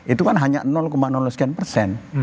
itu kan hanya sekian persen